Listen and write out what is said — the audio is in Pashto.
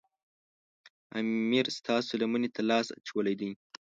امیر ستاسو لمنې ته لاس اچولی دی.